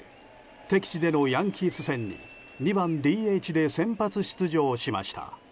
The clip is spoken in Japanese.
敵地でのヤンキース戦に２番ＤＨで先発出場しました。